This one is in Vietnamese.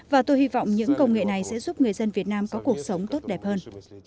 và tôi hy vọng những công nghệ này sẽ giúp người dân việt nam có cuộc sống tốt đẹp hơn